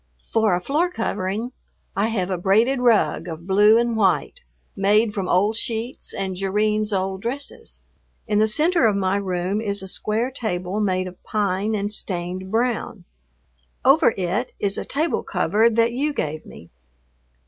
For a floor covering I have a braided rug of blue and white, made from old sheets and Jerrine's old dresses. In the center of my room is a square table made of pine and stained brown. Over it is a table cover that you gave me.